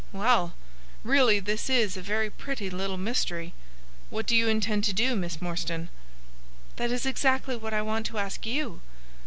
Well, really, this is a very pretty little mystery. What do you intend to do, Miss Morstan?" "That is exactly what I want to ask you."